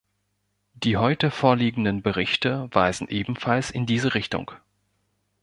Die heute vorliegenden Berichte weisen ebenfalls in diese Richtung.